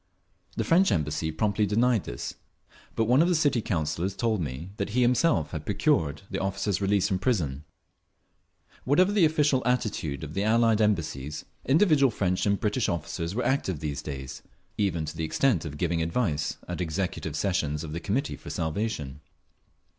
The French Embassy promptly denied this, but one of the City Councillors told me that he himself had procured the officer's release from prison…. Whatever the official attitude of the Allied Embassies, individual French and British officers were active these days, even to the extent of giving advice at executive sessions of the Committee for Salvation.